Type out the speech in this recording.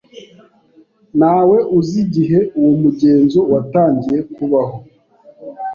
Ntawe uzi igihe uwo mugenzo watangiye kubaho.